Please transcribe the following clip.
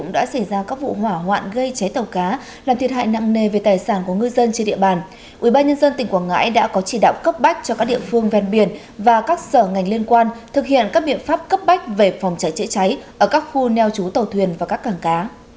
thực hiện các biện pháp cấp bách về phòng chảy chữa cháy ở các khu neo trú tàu thuyền và các càng cá